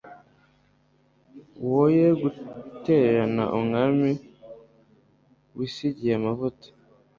woye gutererana umwami wisigiye amavuta